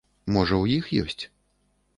Можа, у іх ёсць?